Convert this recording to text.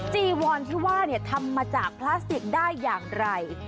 จีวอนที่ว่าทำมาจากพลาสติกได้อย่างไร